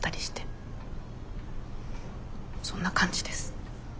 そんな感じです。